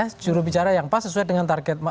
saya jurubicara yang pas sesuai dengan target